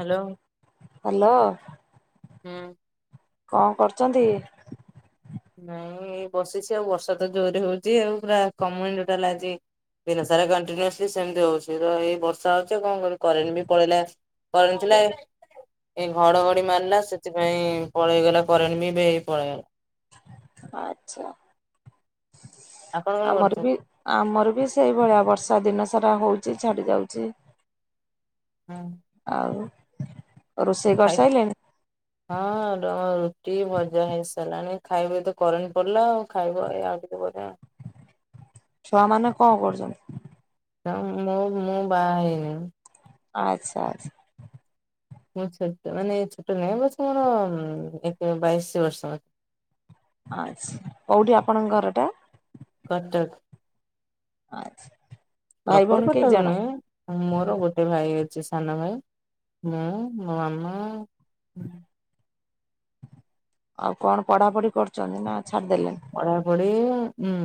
Hello, hello ହୁଁ କଁ କରୁଚନ୍ତି? ନାଇଁ ଏଇ ବସିଚି ଆଉ ବର୍ଷା ତ ଜୋରେ ହଉଚି ଆଉ ପୁରା କମୁନି ଟୋଟାଲେ ଆଜି। ଦିନ ସାରା କଣ୍ଟିନୁସଲି ସେମିତି ହଉଚି ତ ଏଇ ବର୍ଷା ହଉଚି କଣ କରିବି କରେଣ୍ଟ ବି ପଳେଇଲା। କରେଣ୍ଟ୍ ନାଇଁ ଏଇ ଘଡଘଡି ମାରିଲା ସେଥିପାଇଁ ପଳେଇଗଲା, କରେଣ୍ଟ ବିପଳେଇଗଲା। ଆଚ୍ଛା। ଆପଣ କଣ ଆମର କରୁଛନ୍ତି? ବି ଆମର ବି ସେଇଭଳିଆ ବର୍ଷା ଦିନ ସାରା ହଉଚି ଛାଡି ଯାଉଚି। ହୁଁ। ଆଉ, ରୋଷେଇ ଖାଇ କରିସାଇଲେଣି? ହଁ ର-ରୁଟିଭଜା ହେଇସାରିଲାଣି, ଖାଇବେ ତ କରେଣ୍ଟ୍ ପଳେଇଲା ଖାଇବୁଏଆଉ ଟିକେ ପରେଆଉ। ଛୁଆମାନେ କଣ କରୁଚନ୍ତି? ତ ମୁଁ ମୁଁ ବାହା ହେଇନି। ଆଚ୍ଛା ଆଚ୍ଛା। ମୁଁ ଛୋଟ ମାନେ ଛୋଟ ନାହିଁ ବୟସ ମୋର ଏକ ବାଇଶ ବର୍ଷ। ଆଛ୍ କୋଉଠି ଆପଣଙ୍କ ଘର ଟା? କଟକ୍। ଆଛ୍ ପ୍ରପର୍ କଟକ୍ ନୁହେଁ ମୋର ଗୋଟେ ଭାଇ ଅଛି ସାନ ଭାଇ ମୁଁ ମୋ ମାମା ଆଉ କଣ ପଢାପଢି କରୁଚନ୍ତି, ନା ଛାଡିଦେଲେଣି? ପଢା ପଢି ଉୁଁ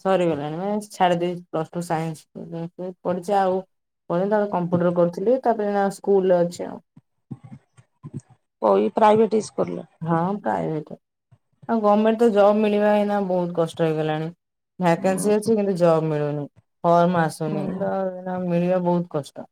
ସରିଗଲାଣି ମୁଁ ସ୍ ଛାଡିଦେଇଚି ପ୍ଲଷ୍ଟୁ ସାଇନ୍ସ୍ ଉଁଉ ପଢିଚି ଆଉ ପଢିଲି ତାପରେ କମ୍ପ୍ୟୁଟର କରିଥିଲି ତାପରେ ଏଇନା ସ୍କୁଲରେ ଅଛି ଆଉ। ଓ ଏଇ ପ୍ରାଇଭେଟ୍ ଇସ୍କୁଲେ। ହଁ ପ୍ରାଇଭେଟ, ଆଉ ଗମେଣ୍ଟ୍ ତ ଜବ୍ ମିଳିବା ଏଇନା ବହୁତ୍ କଷ୍ଟ ହେଇଗଲାଣି। ଭାକାନ୍ସି ଅଛି କିନ୍ତୁ ଜବ୍ ମିଳୁନି ଫର୍ମ ଆସୁନି ଦ ଜବ୍ ମିଳିବା ବହୁତ୍ କଷ୍ଟ।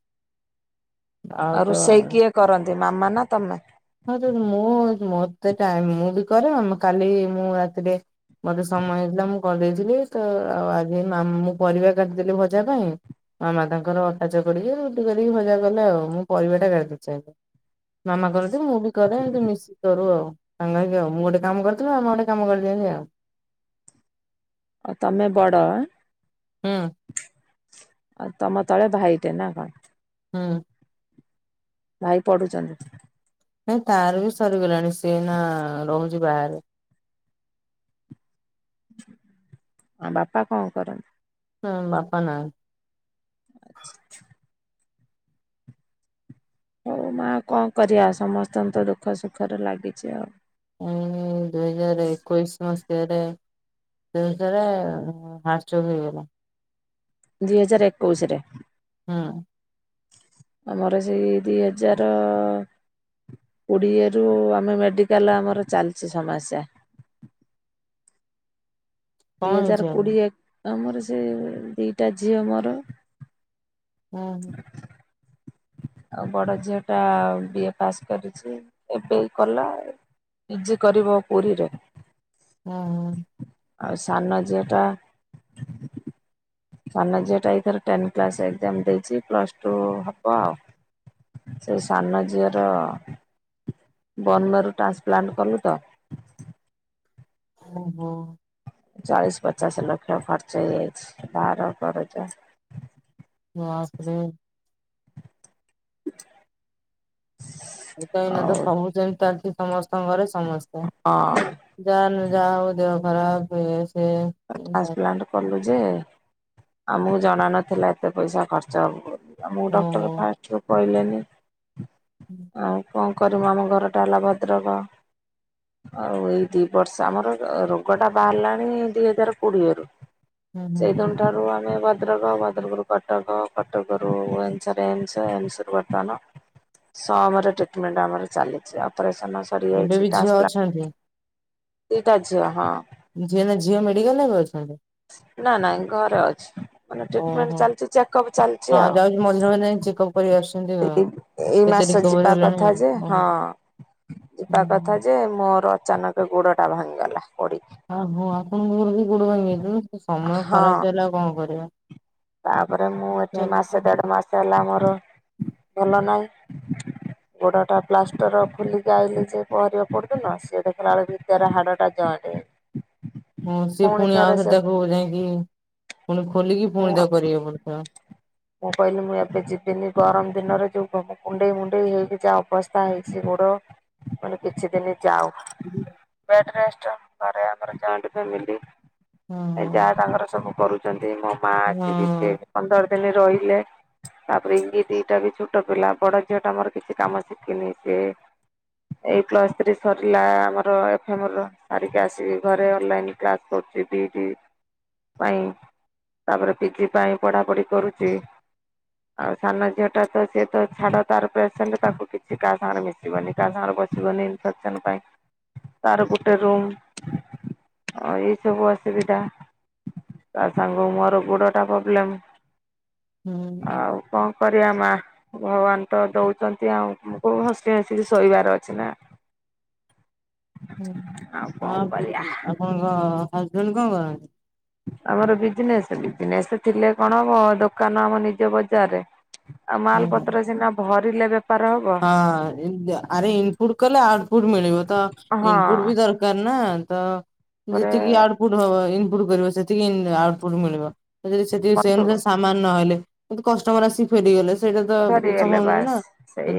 ଆଉ ରୋଷେଇ କିଏ କରନ୍ତି ମାମା ନା ତମେ? ହଁଯେ ମୁଁ ମୋତେ ଟାଇମ୍ ମୁଁ ବି କରେ ଆମେ କାଲି ମୁଁ ରାତିରେ ମତେ ସମୟ ହେଇଥିଲା ମୁଁ କରିଦେଇଥିଲି ତ ଆଉ ଆଜି ମା-ମୁଁ ପରିବା କାଟିଦେଲି ଭଜା ପାଇଁ ମାମା ତାଙ୍କର ଅଟା ଚକଟିକି ରୁଟି କରିକି ଭଜା କଲେ ଆଉ ମୁଁ ପରିବାଟା କାଟିଚିଆଗେ। ମାମା କର ନ୍ତି ମୁଁ ବି କରେ ଏମନ୍ତି ମିଶିକି କରୁ ଆଉ ସାଙ୍ଗ ହେକିଆଉ। ମୁଁ ଗୋଟେ କାମ କରିଥିବି ମାମା ଗୋଟେ କାମ କରିଦିଅନ୍ତି ଆଉ। ଅ ତମେ ବଡ‌ ଆଁ? ହୁଁ। ଆ ତମ ତଳେ ଭାଇଟେ ନା କଣ? ହୁଁ। ଭାଇ ପଢୁଚନ୍ତି। ନାଇଁ ତାର ବି ସରିଗଲାଣି ସିଏ ଏଇନା ରହୁଚି ବାହାରେ। ଆ ବାପା କଣ କରନ୍ତି? ହୁଁ ବାପା ନାହାନ୍ତି। ଆଚ୍ଛା। ହଉ ମା କଣ କରିଆ? ସମସ୍ତଙ୍କତ ଦୁଃଖ ସୁଖର ଲାଗିଚି ଆଉ। ଉଁ ଦୁଇଜାର ଏକୋଇଶି ମସିହାରେ ସେ ଭିତରେ ହାଟ୍ ଚୋକ୍ ହେଇଗଲା। ଦି ହଜାର ଏକୋଉଶି ରେ। ହୁଁ ଆମର ସେଇ ଦିହଜାର କୋଡିଏରୁୁ ଆମେ ମେଡିକାଲ ଆମର ଚାଲିଛି ସମାସ୍ୟା। ଦି କଣ ହଜାର ହେଇଛି ଆଜି? କୋଡ଼ିଏ ଆମର ସେ ଦିଟା ଝିଅ ମୋର ଓ ହୋ। ଆଉ ବଡ଼ ଝିଅ ଟା ବି ଏ ପାସ୍ କରିଛି। ଏବେ କଲା। ପିଜି କରିବ ପୁରୀରେ। ଓହୋ। ଆଉ ସାନ ଝିଅ ଟା ସାନ ଝିଅଟା ଏଇଥର ଟେନ୍ କ୍ଲାସ ଏକ୍ଜାମ ଦେଇଛି ପ୍ଲସ୍ ଟୁ ହବ ଆଉ। ସେଇ ସାନ ଝିଅର ବନମେରୁ ଟ୍ରାନ୍ସପ୍ଲାଣ୍ଟ କଲୁ ତ ଓହୋ। ଚାଳିଶ ପଚାଶ ଲକ୍ଷ ଖର୍ଚ୍ଚ ହେଇଯାଇଛି ଧାର କରଜ ୱାପ୍ ରେ ଏ ତ ଏନା ଆଉ ତ ସବୁ ଯେମିତି ଚାଲିଛି ସମସ୍ତଙ୍କ ଘରେ ସମସ୍ତେ। ହଁ। ଯାହାର ଯାହା ହବ ଦେହ ଖରାପ ହୁଏ ସେ ଟ୍ରାନ୍ସପ୍ଲାଣ୍ଟ କଲୁ ଯେ ଆମକୁ ଜଣା ନଥିଲା ଏତେ ପଇସା ଖର୍ଚ୍ଚ ହବ ବୋଲି। ଆମକୁ ଡକ୍ଟର ଓହୋ। ଫାଷ୍ଟ ରୁ କହିଲେନି, ଆଉ କଣ କରିମୁ ଆମ ଘରଟା ହେଲା ଭଦ୍ରକ ଆଉ ଏଇ ଦି ବର୍ଷ ଆମର ଅ ରୋଗ ଟା ବାହାରିଲାଣି ଦି ହଜାର କୋଡିଏରୁ ହୁଁ ହୁଁ ସେଇଦିନଠାରୁ ଆମେ ଭଦ୍ରକ ଭ ଭଦ୍ରକରୁ କଟକ କଟକରୁ ଭୁବନେଶ୍ବର ଏମ୍ସ ଏମ୍ସ ରୁ ବର୍ତ୍ତମାନ ସମରେ ଟ୍ରିଟେମେଣ୍ଟ ଆମର ଚାଲିଛି ଅପରେସନ ଏବେ ବି ସରିଯାଇଛି ଝିଅ ଟ୍ରାନ୍ସପ୍ରା ଅଛନ୍ତି? ଦିଟା ଝିଅ ହଁ। ଝିଅ ନା ଝିଅ ମେଡିକାଲରେ ଏବେ ଅଛନ୍ତି? ନା ନାଇଁ ଘରେ ଅଛି। ମାନେ ଟ୍ରିଟମେଣ୍ଟ ଓହୋ ଚାଲିଛି ଚେକଅପ୍ ଚାଲିଛି ହଁ ଆଉ। ଯାଉଛି ମଝିରେ ମଝିରେ ଯାଇକି ଚେକପ୍ ଏଇ ମାସ ଯିବା ହେଲାଣି କଥା ଆଉ ଯେ, ହଁ ଓହୋ। ଯିବା ହୁଁ କଥା ଯେ ମୋର ଅଚାନକ ଗୋଡ ଟା ଭାଙ୍ଗିଗଲା ପଡିିକି। ଆ ହୋ ଆପଣଙ୍କର ବି ଗୋଡ଼ ଭାଙ୍ଗିଯାଇଛି ନୁହ କି ସମୟ ହଁ। ଖରାପ ହେଲେ ଆଉ କଣ କରିବା। ତାପରେ ମୁଁ ଏଠି ମାସେ ଚାଲିଛି ଦେଢ଼ ମାସ ହେଲା ମୋର ଭଲ ନାହିଁ [inaudible] ଗୋଡ଼ଟା ପ୍ଲାଷ୍ଟର ଖୋଲିକି ଆଇଲି ଯେ ପହଁରି ଅପୁରଦିନ ସେଏ ଦେଖିଲା ବେଳେ ଭିତରେ ହାଡ଼ଟା ଜଏଣ୍ଟ ହେଇନି। ହଁ ସିଏ ପୁଣି ଥରେ ଆଉଥରେ ସେ ତାକୁ ଯାଇକି ପୁଣି ଖୋଲିକି ମୁଁ ପୁଣି ତାକୁ କରିବାକୁ ପଡିବ। ମୁଁ କହିଲି ମୁଁ ଏବେ ଯିବିନି ଗରମ ଦିନରେ ଯୋଉ କୁଣ୍ଡେଇ ମୁୁଣ୍ଡେଇ ହେଇକି ଯାହା ଅବସ୍ଥା ହେଇଛି ଗୋଡ ମୁଁ କହିଲି କିଛି ଦିନି ଯାଉ। [inaudible] ବେଡରେଷ୍ଟ ଘରେ ଆମର ଜଏଣ୍ଟ ଫାମିଲ୍ ହେଇ ଯା ହଁ ତାଙ୍କର ସବୁ କରୁ ଛନ୍ତି ମୋ ମା ଆସିବି ସିଏ ହଁ ବି ପନ୍ଦର ଦିନ ରହିଲେ ତାପରେ ଇଙ୍ଗ ଦିଇଟା ବି ଛୋଟ ପିଲା ବଡ ଝିଅ ଟା ଆମର କିଛି କାମ ଶିଖିନି ସେ ଏଇ ପ୍ଲସ ଥ୍ରୀ ସରିଲା ଆମର ଏଫମ ର ସାରିକି ଆସିକି ଘରେ ଅନଲାଇନ୍ କ୍ଲାସ କରୁଛି ପି ଇ ଟି ପାଇଁ ତାପରେ ପିଜି ପାଇଁ ପଢାପଢି କରୁଚି। ଆଉ ସାନ ଝିଅ ଟା ସିଏତ ଛାଡ ତାର ପେସେଣ୍ଟ ତାକୁ କିଛି କାହା ସାଙ୍ଗରେ ମି ସିବନି କାହା ସାଙ୍ଗରେ ବସିବନି ଇନଫେକ୍ସନ ପାଇଁ ତାର ଗୋଟେ ରୁମ୍ ଆଉ ଏଇ ସବୁ ଅସୁବିଧା। ତା ସାଙ୍ଗ ମୋର ଗୋଡ ଟା ପବ୍ଲେମ। ହୁଁ ଆଉ କଣ କରିବା ମା। ଭଗବାନ ତ ଦଉଚନ୍ତି ଆମକୁ ହସି ହସି କି ସହିବାର ଅଛି ନା। ହୁଁ। କଣ ଆଉ ଆପ କରିବା ଆପଣଙ୍କ ହଜବେଣ୍ଡ କଣ କରନ୍ତି? ଆମର ବିଜନେସ। ବିଜନେସ ଥିଲେ କଣ ହବ ଦୋକାନ ଆମ ନିଜ ବଜାରରେ। ଆଉ ମାଲ କଣ କରନ୍ତି? ପତ୍ର ସିନା ଭରିଲେ ବେ ହଁ ଆରେ ଇନପୁଟ କଲେ ଆଉଟପୁଟ ମିଳିବ ତ ହଁ ଇନପୁଟ ବି ଦର [unintelligible] ତ ତାପରେ ଯେତିକି ଆଉଟ [unintelligible] ଇନପୁଟ କରିବ ସେତିକି ଆଉଟପୁଟ ମିଳିବ। ଯଦି ସେତିକି ସେ ବନ୍ଧୁ ଅନୁସାରେ ସା ସାମାନ ନହଲେ କିନ୍ତୁ କଷ୍ଟମର ଆସି ଫେରିଗଲେ ସେଇଟା ତ ସରିଗଲେ ସମ୍ଭବ ନୁହେଁ ନା। ବାସ୍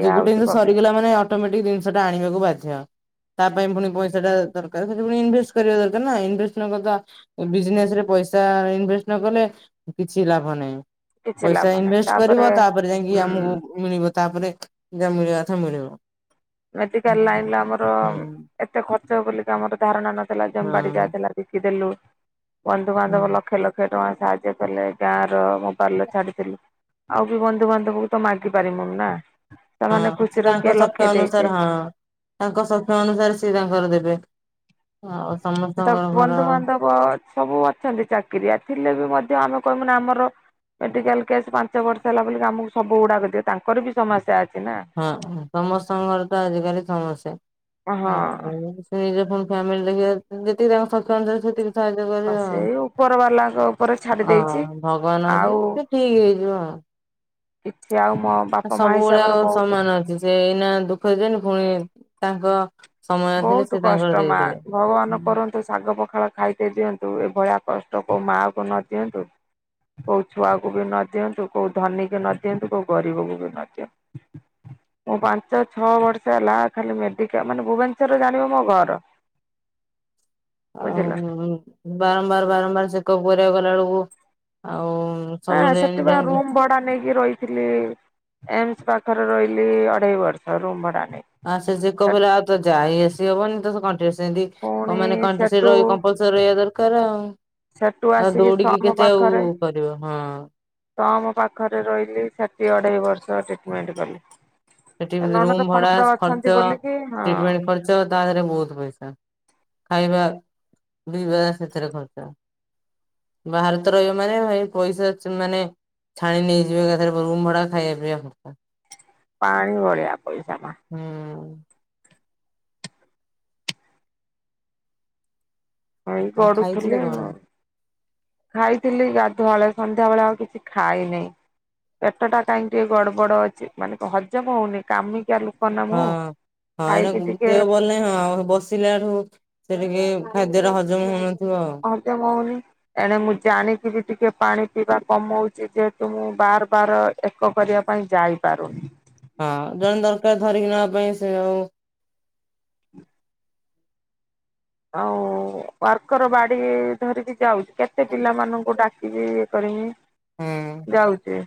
ଜ ଗୋଟେ ହଉଛି ଜିନଷ ପ୍ରୋବ୍ଲେମ ସରିଗଲା ମାନେ ଅଟୋମେଟିକ ଜିନଷଟା ଆଣିବାକୁ ବାଧ୍ୟ। ତା ପାଇଁ ପୁଣି ପଇସା ଟା ଦରକାର ସେଥିପାଇଁ ଇନଭେଷ୍ଟ କରିବା ଦରକାର ନା ଇନଭେଷ୍ଟ ନ କଲେ ତ ବିଜନେସ ରେ ପଇସା ଇନଭେଷ୍ଟ ନ କଲେ କିଛି ଲାଭ ନାହିଁ। କିଛି ଲାଭ ପଇସା ନାହିଁ ଇନଭେଷ୍ଟ କରିବ ତାପରେ ଯାଇଁକି ହୁଁ ଆମକୁ ମିଳିବ ତାପରେ ଯାହା ମିଳିବା କଥା ମିଳିବ। ମେଡିକାଲ ଲାଇନ ହୁଁ ଲ ଆମର ହୁଁ। ଏତେ ଖର୍ଚ୍ଚ ହେବ ବୋଲିକା ଆମର ଧାରଣା ନଥିଲା ଜମବାଡି ଯାହାଥିଲା ବିକିଦେଲୁ ବନ୍ଧୁବାନ୍ଧବ ଲକ୍ଷେ ଲକ୍ଷେ ଟଙ୍କା ସାହାଯ୍ୟ କଲେ। ଗାଁର ମୋବାଇଲ ର ଛାଡିଥିଲି ଆଉ ବି ବନ୍ଧୁବାନ୍ଧବକୁ ତ ମାଗି ପାରିମୁନି ନା। ସେମାନେ ହଁ ଖୁସି ସେ ର ତାଙ୍କ କିଏ ଲଖେ ସକ୍ଷ ଦେଇ ଅନୁସାରେ ହଁ ତାଙ୍କ ସର୍ତ ଅନୁସାରେ ସେ ତାଙ୍କର ଦେବେ। ଆଉ ତା ସମସ୍ତଙ୍କର ଘର [unintelligible] ସବୁ ଅଛନ୍ତି ଚାକିରିଆ ଥିଲେ ବି ମଧ୍ୟ ଆମେ କହିବୁ ନା ଆମର ମେଡିକାଲ କେସ୍ ପାଞ୍ଚ ବର୍ଷ ହେଲା ବୋଲି କଁ ଆମକୁ ସବୁ ଗୁଡାକ ଦିଅ ତାଙ୍କର ବି ସମସ୍ୟା ଅଛି ନା। ହଁ ସମସ୍ତଙ୍କର ତ ଆଜିକାଲି ସମସ୍ୟା ଆଉ ହଁ ନିଜେ ପୁଣି ଫ୍ୟାମିଲି ଦେଖିବା ଯେତିକି ତାଙ୍କ ସର୍ତ ଅନୁସାରେ ସେତିକି ସାହାଯ୍ୟ କରିବା ଆଉ। ସେଇ ଉପର ବାଲାଙ୍କ ଉପରେ ଛାଡି ଦେଇଛି ଆଉ ଠିକ୍ ହେଇଯିବ ଆଉ। କିଛି ଆଉ ମଁ ସବୁ [unintelligible] ସମାନ ଅଛି ସେ ଏଇନା ଦୁଃଖ ଦିଅନ୍ତି ଫୁଣି ତାଙ୍କ ସମୟ ଆସିଲେ ବହୁତୁ ସେ ତାଙ୍କର କଷ୍ଟ ମା ଦେଇଦେବେ। ଭଗବାନ କରନ୍ତୁ ଶାଗ ପଖାଳ ଖାଇତେ ଦିଅନ୍ତୁ ଏଭଳିଆ କଷ୍ଟ କୋଉ ମାଆ କୁ ନ ଦିଅନ୍ତୁ। କୋଉ ଛୁଆକୁ ବି ନ ଦିଅନ୍ତୁ କୋଉ ଧନୀକି ନ ଦିଅନ୍ତୁ କୋଉ ଗରିବକୁ ବି ନ ଦିଅନ୍ତୁ। ମୁଁ ପାଞ୍ଚ ଛଅ ବର୍ଷ ହେଲା ଖାଲି ମେଡିକା ମାନେ ଭୁବନ ଶ୍ଵର ଜାଣିବ ମୋ ଘର। ଆଉ ବୁଝିଲ। ବାରମ୍ବାର ବାରମ୍ବାର ଚେକ ଅପ୍ କରିବାକୁ ଗଲା ବେଳକୁ ଆଉ [unintelligible] ସବୁବେଳେ ଏମିତି ସେଠିପା ଏମିତି ରୁମ ଭ ଭଡା ନେଇକି ରହିଥିଲି ଏମସ ପାଖରେ ରହିଲି ଅଢେଇ ବର୍ଷ ରୁମ ଭଡା ନେଇକି। ଆ ସେ ଚେକପ ହେଲେ ଆଉ ତ ଯାଇ ଆସି ହବନି ତ କଂଟିନୁୟସ ସେମତି କ ପୁଣି ମାନେ କଂଟିନୁୟସ ସେଠୁ ରହିବ କମ୍ପଲସ ରହିବା ଦରକାର ଆଉ। ସେଠୁ ଆଉ ଆସିକି ଦୌଡିକି ସମ କେତେ ଆଉ କରିବ ହଁ। ତମ ପାଖରେ ରହିଲି ସେଠି ଅଢ଼େଇ ବର୍ଷ ଟ୍ରିଟମେଣ୍ଟ କଲି। ସେଠି ନଣନ୍ଦ ରୁମ ଭଡା ଫଣନ୍ଦ ଅଛନ୍ତି ଖର୍ଚ ବୋଲିକି ହଁ [unintelligible] ଖର୍ଚ ତା ଦେହରେ ବହୁତ ପଇସା ଖାଇବା ଦୋଇବା ସେଥିରେ ଖର୍ଚ। ବାହାରତ ରହିବା ମାନେ ଏଇ ପଇସା ଚ ମାନେ ଛାଣି ନେଇଯିବେ ଏକାଥରେ ରୁମ ଭଡା ଖାଇବା ପିଇବା ଖର୍ଚ୍ଚ। ପାଣି ଭଳିଆ ପଇସା ମା ହୁଁ। ହାଇ ଆଉ ଖାଇଥିଲେ ଗଡୁଥିଲେ କଣ? ମ ଖାଇଥିଲି ଗାଧୁଆଳେ ସନ୍ଧ୍ୟାବେେଳେ ଆଉ କିଛି ଖାଇନିଁ। ପେଟ ଟା କାହିଁକି ଟିକେ ଗଡ ବଡ ଅଛି ମାନେ ହଜମ ହଉନି କାମି କିଆ ଲୋକ ନା ହଁ ମୁଁ ହଁ ଏଇନା ଖାଇକି ଗୁ ଟିକେ ଦେହ ଭଳନାହିଁ ହଁ ବ ସିଲା ଠୁ ସେ ଟିକେ ଖାଦ୍ୟଟା ହଜମ ହଉନଥିବ ଆଉ। ଜମାହଉନି। ଏଣେ ମୁଁ ଜାଣିକି ବି ଟିକେ ପାଣି ପିଇବା କମଉଛି ଯେହେତୁ ମୁଁ ବାର ବାର ଏକ କରିବା ପାଇଁ ଯାଇପାରୁନି। ହଁ ଜଣେ ଦରକାର ଧରିକି ନବା ପାଇଁ ସେ ଆଉ ଆଉ ୱାର୍କର ବାଡି ଧରିକି ଯାଉଛି କେତେ ପିଲାମାନଙ୍କୁ ଡା ଟିକିଏ ଇଏ କରିବି ହୁଁ ଯାଉଛି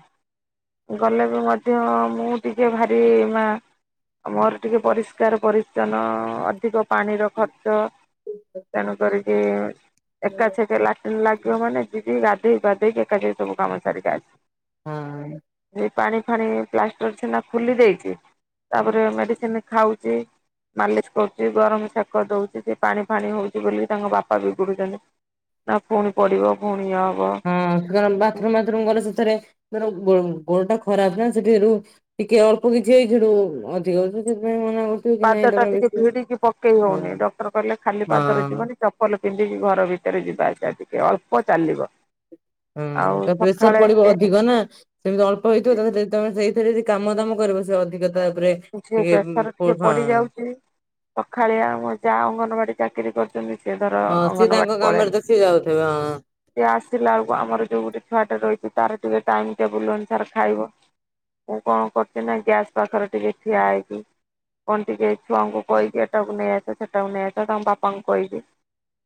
ଗଲେ ବି ମଧ୍ୟ ମୁଁ ଟିକେ ଭାରି ମା ମୋର ଟିକେ ପରିଷ୍କାର ପରିଚ୍ଛନ୍ନ ଅଧିକ। ପାଣିର ଖର୍ଚ୍ଚ। ହ [inaudible] ତେଣୁ କରିକି ଏକାଛକ ଲା ଲାଗିବ ମାନେ ଯିବି ଗାଧେଇ ପାଧେଇକି ଏକା ଯ ସବୁ କାମ ସାରିକି ଆସିବି। ହୁଁ। ପାଣି ଫାଣି ପ୍ଲାଷ୍ଟର ଛେନା ଖୋଲି ଦେଇଛି। ତାପରେ ମେଡିସିନ ଖାଉଛି ମାଲିସ କରୁଛି ଗରମ ସେକ ଦଉଛି। ପାଣି ଫାଣି ହଉଛି ବୋଲି ତାଙ୍କ ବାପା ବିଗୁଡ଼ୁଛନ୍ତି ନା ପୁଣି ପଡ଼ିବ ପୁଣି ଇଏ ହବ। ହଁ ବାଥରୁମଥରୁମ ଗଲେ ସେଥିରେ ଗୋଡ ଟା ଖରାପ ନା ସେଠି ଟିକେ ଅଳ୍ପ କିଛି ଏଇ ସେଠୁ ଅଧିକ ଅ ସେଥିପାଇଁ ମନା କରୁଥିବେ କି ନାଇଁ ପାଦ ଟା ତମେ ଟିକେ ବେଶୀ ଭିଡିକି ପକେଇ ହଁ ହଉନି ଡକ୍ଟର କହିଲେ ଖାଲି ପାଦରେ ହଁ। ଯିବନି। ଚପଲ ପିନ୍ଧିକି ଘର ଭିତରେ ଯିବା ଆଶିବ ଟିକେ ଅଳ୍ପ ଚାଲିବ। ଆଉ ହୁଁ ପ୍ରେସର ସକାଳେ ପଡିବ ଅଧିକ ନା ସେମିତି ଅଳ୍ପ ହେଇଥିବ ତା ତମେ ସେଇଥିରେ ଯ କାମ ଦାମ କରିବ ସେ ଅଧିକ ତା ଉପରେ ଜୀଉ ଟିକେ ପ୍ରେସର ହଁ ଟିକେ ପଡି ଯାଉଛି ସଖାଳିଆ ମ ଯା ଅଙ୍ଗନବାଡି ଚାକିରି କରୁଛନ୍ତି ସେ ଧର ହଁ ସିଏ ଅଙ୍ଗନବାଡ଼ି ତାଙ୍କ କାମରେ ପଳେଇଲେ ତ ସିଏ ଯାଉଥିବେ ହଁ। ସେ ଆସିଲା ବେଳକୁ ଆମର ଯୋଉ ଗୋଟେ ଛୁଆ ଟା ରହିଛି ତାର ଟିକେ ଟାଇମ ଟେବୁଲ ଅନୁସାରେ ଖାଇବ। ମୁଁ କଣ କରୁଛି ନା ଗ୍ୟାସ ପାଖରେ ଟିକେ ଠିଆ ହେଇଛିି କଣ ଟିକେ ଛୁଆଙ୍କୁ କହିିଦିଏ ଏଟାକୁ ନେଇ ଆସ ସେଟାକୁ ନେଇ ଆସ ତାଙ୍କ ବାପାଙ୍କୁ କହିବି।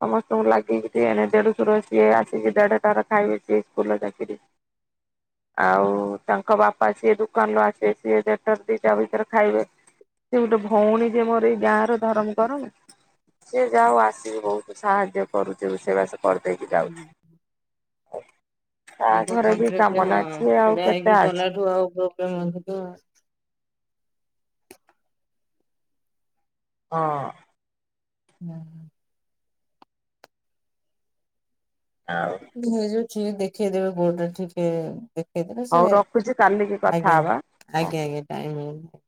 ସମସ୍ତଙ୍କୁ ଲାଗିକି ଦେଢସୁର ସିଏ ଆସିକି ଦେଢଟାରେ ଖାଇବେ ସିଏ ସ୍କୁଲ ଚାକିରି ଆଉ ତାଙ୍କ ବାପା ସିଏ ଦୋକାନରୁ ଆସିବେ ସିଏ ଦେଢ଼ ଟାରୁ ଦିଟା ଭିତରେ ଖାଇବେ ସେ ଗୋଟେ ଭଉଣୀ ଯେ ମୋର ଏଇ ଗାଁ ର ଧରମ କରନ ସେ ଯାଉ ଆସିକି ବହୁତ ସାହାଯ୍ୟ କରୁଛି ରୋଷେଇ ବାସ କରିଦେଇକି ଯାଉଛି। ତା ହ ତ ଘରେ ବି କାମ କଠଥିଲେ ନା ହଁ ସିଏ ଆଉ ଛିଡା କେତେ ହେଇକି ଆସିବ ଗଲାଠୁ ଆଉ ଗ ମୁ [unintelligible] ହଁ। ହୁଁ। ଆଉ। ହେଇଯାଉଛିଠିକ ଦେଖେଇଦବେ ଗୋଟା ଟିକେ? ହଉ ସେ ରଖୁଛି କାଲିକି କଥା ଆଜ୍ଞା ହବା। ଆଜ୍ଞା ଟାଇମ ହଉ।